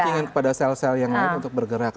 kepentingan kepada sel sel yang lain untuk bergerak